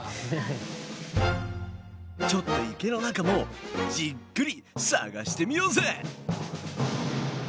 ちょっと池の中もじっくり探してみようぜ！